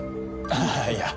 ああいや